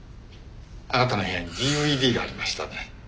あなたの部屋にＤＶＤがありましたね。